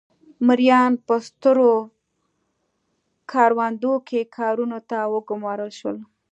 مریان په سترو کروندو کې کارونو ته وګومارل شول.